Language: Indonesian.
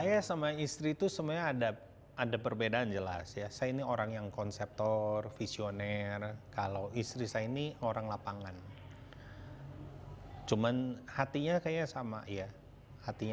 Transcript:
iaitu gas nessahhh